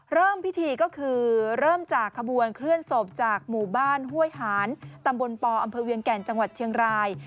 เริ่มพิธีก็คือเริ่มจากขบวนเคลื่อนศพจากหมู่บ้านห้วยหานตำบลปอำเภอเวียงแก่นจังหวัดเชียงราย